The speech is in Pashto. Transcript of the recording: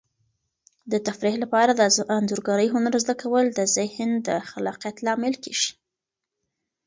د تفریح لپاره د انځورګرۍ هنر زده کول د ذهن د خلاقیت لامل کیږي.